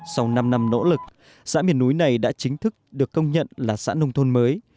sau năm năm nỗ lực xã miền núi này đã chính thức được công nhận là xã nông thôn mới